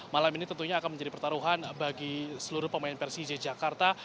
malam ini tentunya akan menjadi pertaruhan bagi seluruh pemain persija jakarta